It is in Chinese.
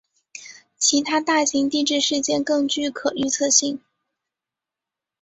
其他大型地质事件更具可预测性。